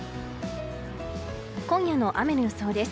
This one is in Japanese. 今夜の雨の予想です。